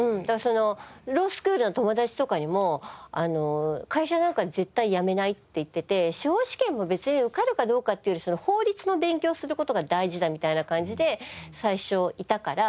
だからロースクールの友達とかにも会社なんか絶対辞めないって言ってて司法試験も別に受かるかどうかっていうより法律の勉強をする事が大事だみたいな感じで最初いたから。